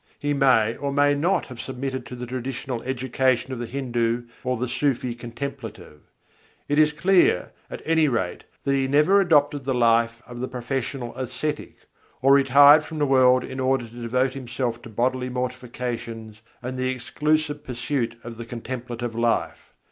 He may or may not have submitted to the traditional education of the Hindu or the Sûfî contemplative: it is clear, at any rate, that he never adopted the life of the professional ascetic, or retired from the world in order to devote himself to bodily mortifications and the exclusive pursuit of the contemplative life.